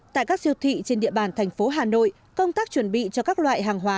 tại các siêu thị trên địa bàn thành phố hà nội công tác chuẩn bị cho các loại hàng hóa